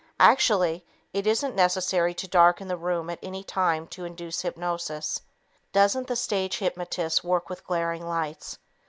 Actually, it isn't necessary to darken the room at any time to induce hypnosis. Doesn't the stage hypnotist work with glaring lights?